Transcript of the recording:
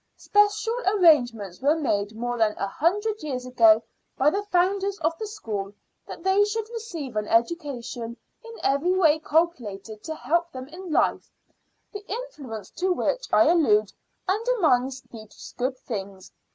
Special arrangements were made more than a hundred years ago by the founders of the school that they should receive an education in every way calculated to help them in life; the influence to which I allude undermines these good things.